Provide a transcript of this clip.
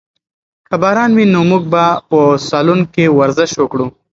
که باران وي نو موږ به په سالون کې ورزش وکړو.